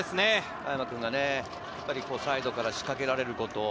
香山君がサイドから仕掛けられること。